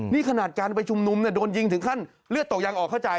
นี่ขนาดการไปชุมนุมโดนยิงถึงขั้นเลือดตกยังออกเข้าใจ